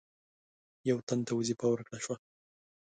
یو تن ته وظیفه ورکړه شوه.